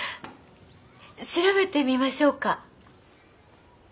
調べてみましょうか。